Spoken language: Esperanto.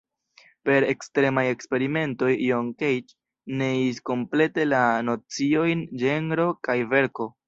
Per ekstremaj eksperimentoj John Cage neis komplete la nociojn ĝenro kaj verko.